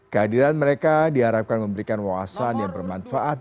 kehadiran mereka diharapkan memberikan wawasan yang bermanfaat